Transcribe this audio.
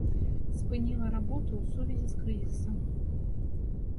Спыніла работу ў сувязі з крызісам.